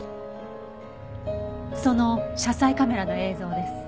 その車載カメラの映像です。